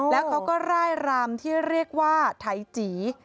แล้วเขาก็ร่ายรำที่เรียกว่าไถจี